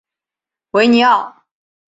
维尼奥。